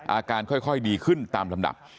อาการค่อยดีขึ้นตามลำดับ